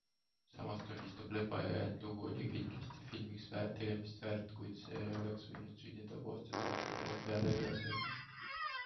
Samas tunnistab Lepajõe, et lugu oli kindlasti filmiks tegemist väärt, kuid see oleks võinud sündida koostöös antud loo peategelastega.